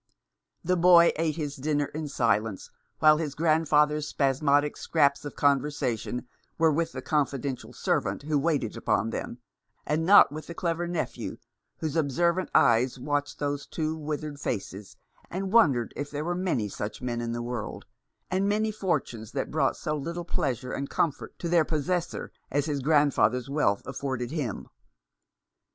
The boy ate his dinner in silence, while his grandfather's spas modic scraps of conversation were with the con fidential servant who waited upon them, and not with the clever nephew, whose observant eyes watched those two withered faces, and wondered if there were many such men in the world, and many fortunes that brought so little pleasure and comfort to their possessor as his grandfather's wealth afforded him.